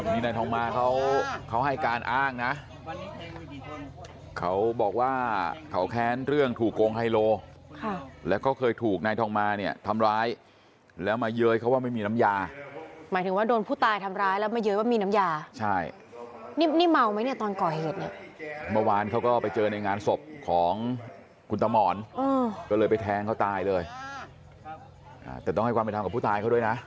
นี่นายทองมาเขาให้การอ้างนะเขาบอกว่าเขาแค้นเรื่องถูกโกงไฮโลแล้วก็เคยถูกนายทองมาเนี่ยทำร้ายแล้วมาเย้ยเขาว่าไม่มีน้ำยาหมายถึงว่าโดนผู้ตายทำร้ายแล้วมาเย้ยว่ามีน้ำยาใช่นี่เมาไหมเนี่ยตอนก่อเหตุเนี่ยเมื่อวานเขาก็ไปเจอในงานศพของคุณตามหมอนก็เลยไปแทงเขาตายเลยแต่ต้องให้ความเป็นธรรมกับผู้ตายเขาด้วยนะ